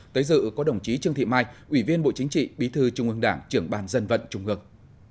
tới dự có đồng chí trương thị mai ủy viên bộ chính trị bí thư trung ương đảng trưởng bàn dân vận trung ương